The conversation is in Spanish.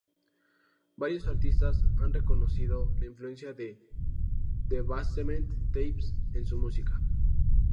Varios artistas han reconocido la influencia de "The Basement Tapes" en su música.